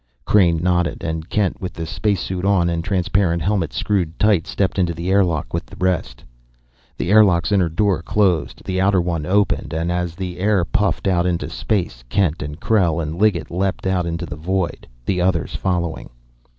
Crain nodded, and Kent with space suit on and transparent helmet screwed tight, stepped into the airlock with the rest. The airlock's inner door closed, the outer one opened, and as the air puffed out into space, Kent and Krell and Liggett leapt out into the void, the others following.